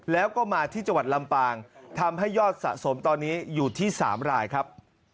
แล้วก็มาที่จังหวัดลำปางทำให้ยอดสะสมตอนนี้อยู่ที่๓รายครับ